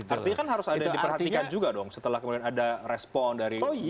artinya kan harus ada yang diperhatikan juga dong setelah kemudian ada respon dari